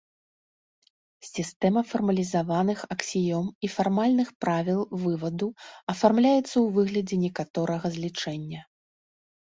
Сістэма фармалізаваных аксіём і фармальных правіл вываду афармляецца ў выглядзе некаторага злічэння.